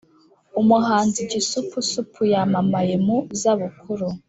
Umuhanzi gisupusupu yamamaye mu zabukuru